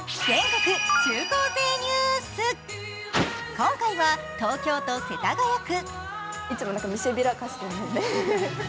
今回は東京都世田谷区。